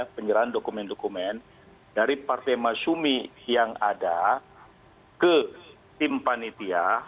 penyerahan dokumen dokumen dari partai masyumi yang ada ke tim panitia